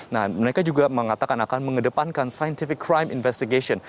nah mereka juga mengatakan akan mengedepankan scientific crime investigation